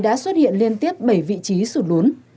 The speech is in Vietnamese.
đã xuất hiện liên tiếp bảy vị trí sụt lún